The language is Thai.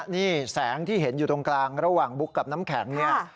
นี่แสงที่เห็นอยู่ตรงกลางระหว่างบุ๊กกับน้ำแข็งเนี่ย